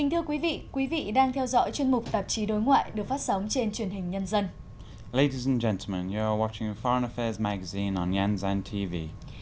hãy đăng ký kênh để ủng hộ kênh của chúng mình nhé